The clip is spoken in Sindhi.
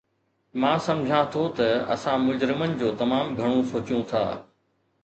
مان سمجهان ٿو ته اسان مجرمن جو تمام گهڻو سوچيو ٿا